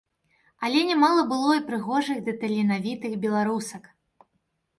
Але нямала было і прыгожых ды таленавітых беларусак.